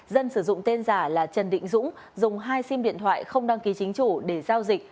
dân sử dụng tên giả là trần định dũng dùng hai sim điện thoại không đăng ký chính chủ để giao dịch